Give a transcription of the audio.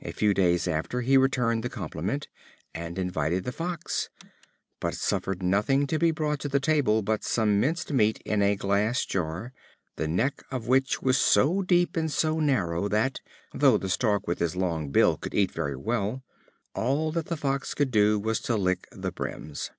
A few days after, he returned the compliment, and invited the Fox; but suffered nothing to be brought to the table but some minced meat in a glass jar, the neck of which was so deep and so narrow, that, though the Stork with his long bill could eat very well, all that the Fox could do was to lick the brims.